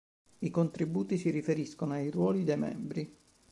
I contributi si riferiscono ai ruoli dei membri.